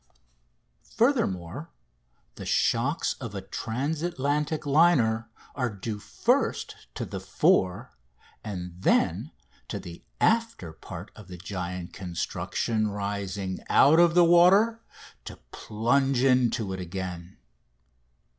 Furthermore, the shocks of a transatlantic liner are due first to the fore, and then to the after, part of the giant construction rising out of the water to plunge into it again.